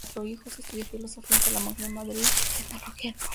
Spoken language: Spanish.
Estudió Filosofía en Salamanca y Madrid y Teología en Roma.